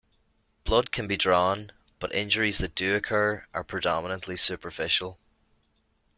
Blood can be drawn, but injuries that do occur are predominantly superficial.